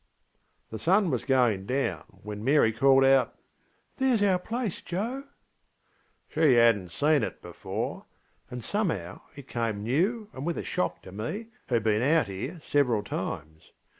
The sun was going down when Mary called outŌĆö ŌĆśThereŌĆÖs our place, Joe! ŌĆÖ She hadnŌĆÖt seen it before, and somehow it came new and with a shock to me, who had been out here several times.